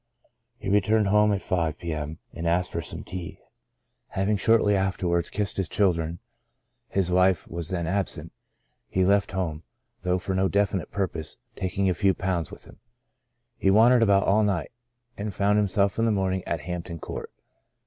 He returned home at 5 p.m., and asked for some tea. Having shortly after wards kissed his children (his wife was then absent) he left home, though for no definite purpose, taking a few pounds with him. He wandered about all night, and found him self in the morning at Hampton Court.